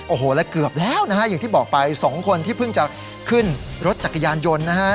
โอ้โหแล้วเกือบแล้วนะฮะอย่างที่บอกไปสองคนที่เพิ่งจะขึ้นรถจักรยานยนต์นะฮะ